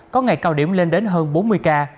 có ngày cao điểm lên đến hơn bốn mươi ca